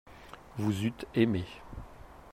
Vous eûtes aimé.